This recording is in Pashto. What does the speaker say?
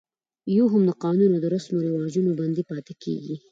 یو هم د قانون او رسم و رواجونو بندي پاتې کېږي.